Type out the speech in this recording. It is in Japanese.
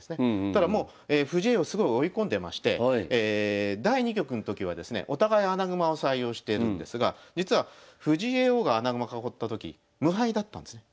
ただもう藤井叡王すごい追い込んでまして第２局の時はですねお互い穴熊を採用してるんですが実は藤井叡王が穴熊囲った時無敗だったんですね。